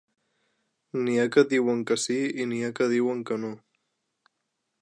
N'hi ha que diuen que sí i n'hi ha que diuen que no.